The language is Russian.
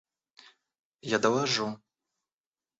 Я доложу.